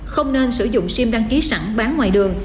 không nên sử dụng sim đăng ký sẵn bán ngoài đường